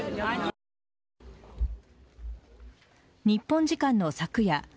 日本時間の昨夜